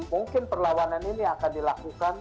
mungkin perlawanan ini akan dilakukan